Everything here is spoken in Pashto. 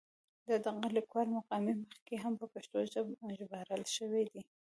د دغه لیکوال مقالې مخکې هم په پښتو ژباړل شوې دي.